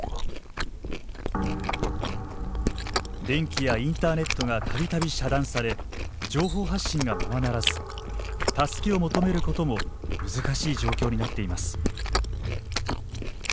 電気やインターネットが度々遮断され情報発信がままならず助けを求めることも難しい状況になっています。